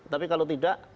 tapi kalau kita tidak bisa